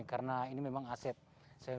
karena ini memang asli